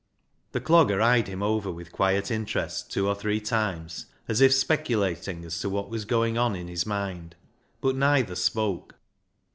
The Clogger eyed him over with quiet interest, two or three times, as if speculating as to what was going on in his mind ; but neither spoke.